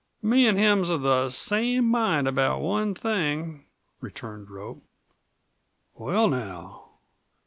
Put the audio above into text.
"Me an' him's of the same mind about one thing," returned Rope. "Well, now."